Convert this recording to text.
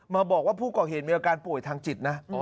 มาบอกว่าผู้ก่อเหตุมีอาการป่วยทางจิตนะ